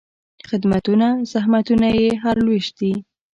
خدمتونه، زحمتونه یې هر لوېشت دي